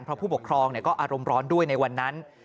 เพราะผู้ปกครองก็อารมณ์ร้อนด้วยในวันนั้น